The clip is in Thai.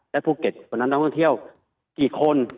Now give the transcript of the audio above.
แล้วภูเก็ตคนนั้นต้องเที่ยวกี่คน